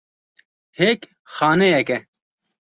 Hêk xaneyek e.